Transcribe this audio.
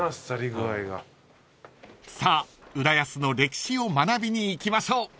［さあ浦安の歴史を学びに行きましょう］